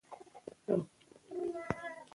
دې دواړې کتابچې يو ډول وې هېڅ توپير يې نه درلود،